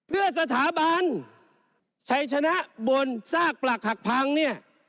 เพื่อสถาบันชัยชนะบนซากปลักหักพังเนี่ย